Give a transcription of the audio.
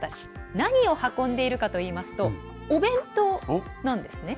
何を運んでいるかといいますとお弁当なんですね。